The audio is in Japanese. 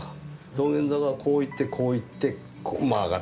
道玄坂はこういってこういって上がっていく。